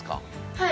はい。